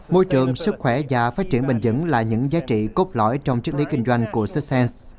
môi trường sức khỏe và phát triển bình dẫn là những giá trị cốt lõi trong chức lý kinh doanh của socens